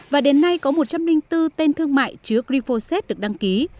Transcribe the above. và đến nay có một trăm linh bốn tên thương mại chứa glyphosate được đăng ký